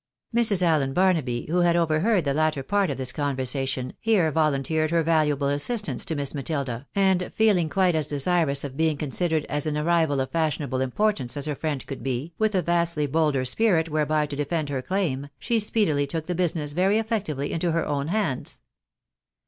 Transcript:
Mrs. Allen Barnaby, who had overheard the latter part of this conversation, here volunteered her valuable assistance to Miss Matilda, and feeling quite as desirous of being considered as an arrival of fashionable importance as her friend could be, with a vastly bolder spirit whereby to defend her claim, she speedily took the business very effectively into her own hands.